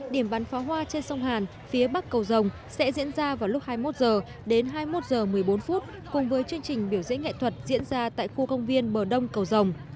điểm bắn phá hoa trên sông hàn phía bắc cầu rồng sẽ diễn ra vào lúc hai mươi một h đến hai mươi một h một mươi bốn cùng với chương trình biểu diễn nghệ thuật diễn ra tại khu công viên bờ đông cầu rồng